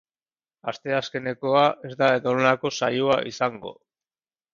Asteazkenekoa ez da edonolako saioa izango.